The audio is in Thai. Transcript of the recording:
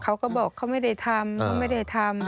เขาก็บอกเขาไม่ได้ทำ